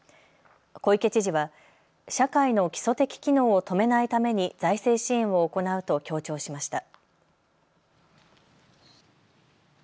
小池知事は社会の基礎的機能を止めないために財政支援を行うと強調しました。